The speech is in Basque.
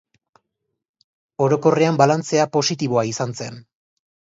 Orokorrean, balantzea positiboa izan zen.